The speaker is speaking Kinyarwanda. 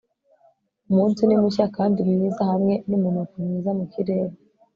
Umunsi ni mushya kandi mwiza hamwe numunuko mwiza mukirere